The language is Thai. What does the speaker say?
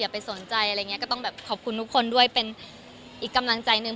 ไปสนใจอะไรอย่างนี้ก็ต้องแบบขอบคุณทุกคนด้วยเป็นอีกกำลังใจหนึ่ง